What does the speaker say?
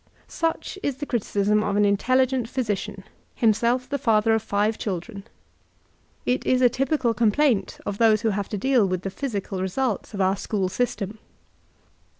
Such is the criticism of an intelligent physician, himself the father of five children. It is a typical complaint of those who have to deal with the physical results of car school system.